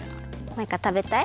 マイカたべたい？